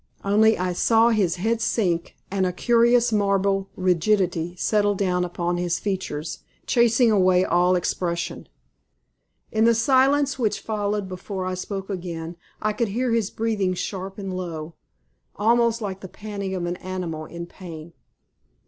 Only I saw his head sink, and a curious marble rigidity settle down upon his features, chasing away all expression. In the silence which followed before I spoke again I could hear his breathing sharp and low, almost like the panting of an animal in pain.